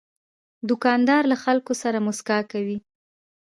دوکاندار له خلکو سره مسکا کوي.